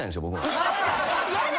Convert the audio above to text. やだ！